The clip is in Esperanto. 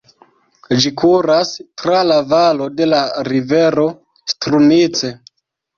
Ĝi kuras tra la valo de la rivero Strumice.